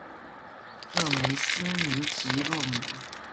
勒梅斯尼吉洛姆。